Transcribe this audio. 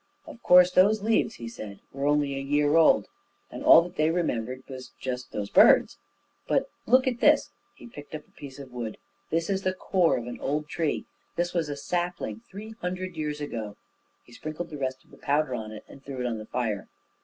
"Of course, those leaves," he said, "were only a year old, and all that they remembered was just those birds. But look at this," he picked up a piece of wood "this is the core of an old tree. This was a sapling three hundred years ago." He sprinkled the rest of the powder on it and threw it on the fire.